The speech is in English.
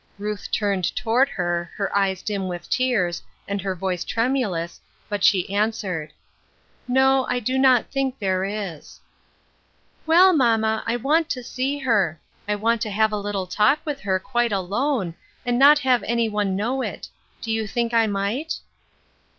Ruth turned toward her, her eyes dim with tears, and her voice tremulous, but she answered, —" No ; I do not think there is." TRANSFORMATION. 259 "Well, mamma, I want to see her. I want to have a little talk with her quite alone, and not have any one know it. Do you think I might